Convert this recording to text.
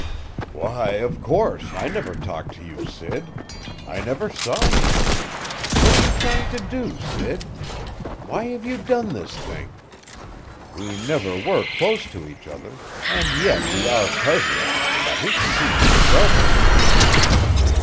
"Why, of course I never talked to you, Sid. I never saw you. What are you trying to do, Sid? Why have you done this thing? We never were close to each other, and yet we are cousins, and I hate to see you in trouble."